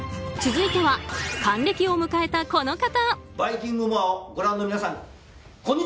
続いては還暦を迎えたこの方。